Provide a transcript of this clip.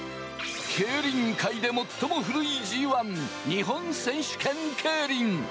競輪界で最も古いＧ１、日本選手権競輪。